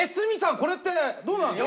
これってどうなんですか？